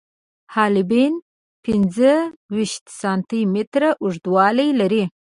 حالبین پنځه ویشت سانتي متره اوږدوالی لري.